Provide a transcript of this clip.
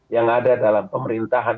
yang ada dalam pemerintahan